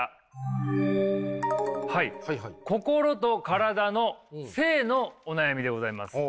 はい心と体の性のお悩みでございます。